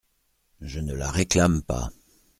Je ne la réclame pas.